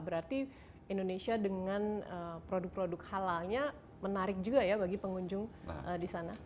berarti indonesia dengan produk produk halalnya menarik juga ya bagi pengunjung di sana